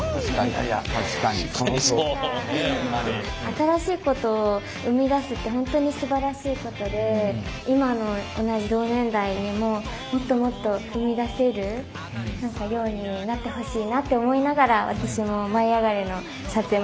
新しいことを生み出すって本当にすばらしいことで今の同じ同年代にももっともっと生み出せるようになってほしいなって思いながら私も「舞いあがれ！」の撮影も頑張りたいなって思いました。